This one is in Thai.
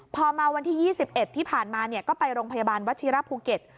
พอมาวันที่๒๑ที่ผ่านมาก็ไปโรงพยาบาลวัชิระภูเก็ต